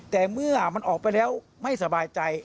แต่เมื่อมันออกไปแล้วไม่สบายใจ